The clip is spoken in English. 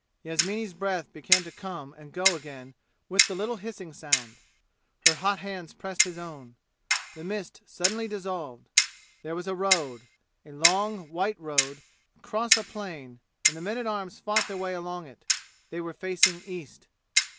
Yasmini's breath began to come and go again with the little hissing sound. Her hot hands pressed his own. The mist suddenly dissolved. There was a road a long white road, across a plain, and the men at arms fought their way along it. They were facing east.